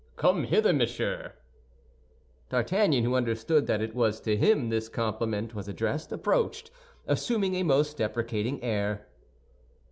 Come hither, monsieur." D'Artagnan, who understood that it was to him this compliment was addressed, approached, assuming a most deprecating air.